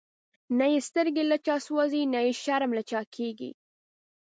نه یی سترگی له چا سوځی، نه یی شرم له چا کیږی